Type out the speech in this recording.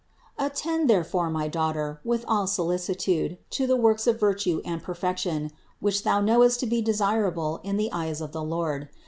Attend therefore, my daughter, with all solici tude to the works of virtue and perfection, which thou knowest to be desirable in the eyes of the Lord.